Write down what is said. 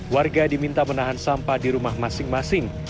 warga diminta menahan sampah di rumah masing masing